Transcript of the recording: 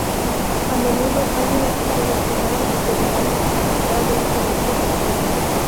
A menudo hay una sesión opcional de verano la mitad de un semestre completo.